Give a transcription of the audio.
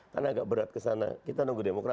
kan agak berat ke sana kita nunggu demokrat